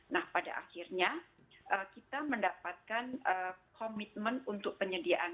nah pada akhirnya kita mendapatkan komitmen untuk penyediaan